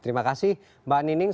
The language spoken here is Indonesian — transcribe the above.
terima kasih mbak nining